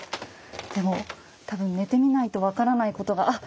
でも多分寝てみないと分からないことがあっ